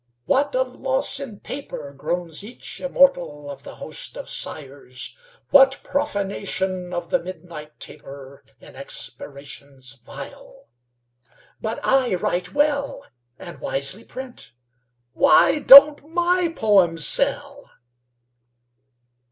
"What a loss in paper," Groans each immortal of the host of sighers! "What profanation of the midnight taper In expirations vile! But I write well, And wisely print. Why don't my poems sell?"